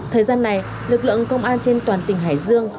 thời gian này lực lượng công an trên toàn tỉnh hải dương